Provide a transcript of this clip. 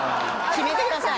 決めてください。